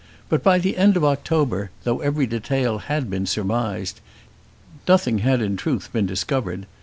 But by the end of October, though every detail had been surmised, nothing had in truth been discovered.